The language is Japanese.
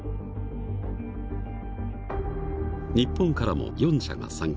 日本からも４社が参加。